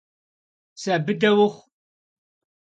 Pse bıde vuxhu!